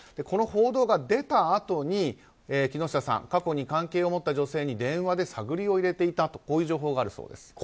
この報道が出たあとに木下さん、過去に関係を持った女性に電話で探りを入れていたとこういう情報があるそうです。